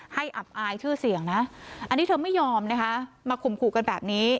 อับอายชื่อเสียงนะอันนี้เธอไม่ยอมนะคะมาข่มขู่กันแบบนี้